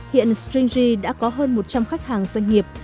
hiện stringy đã có hơn một trăm linh khách hàng doanh nghiệp